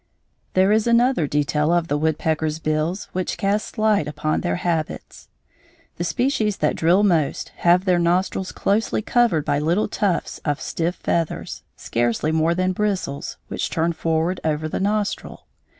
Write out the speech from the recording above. There is another detail of the woodpecker's bills which casts light upon their habits. The species that drill most have their nostrils closely covered by little tufts of stiff feathers, scarcely more than bristles, which turn forward over the nostril.